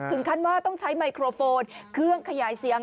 ถึงขั้นว่าต้องใช้ไมโครโฟนเครื่องขยายเสียง